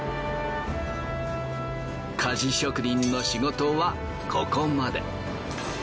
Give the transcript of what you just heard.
鍛冶職人の仕事はここまで。